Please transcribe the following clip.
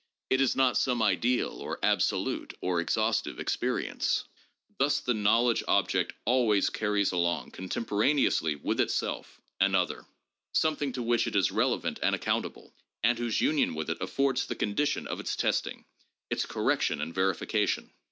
It is not some ideal, or absolute, or exhaustive experience. Thus, the knowledge object always carries along, contemporane ously with itself, an other, something to which it is relevant and accountable, and whose union with it affords the condition of its testing, its correction and verification.